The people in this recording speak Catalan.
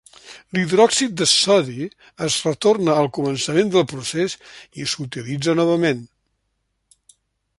L’hidròxid de sodi es retorna al començament del procés i s’utilitza novament.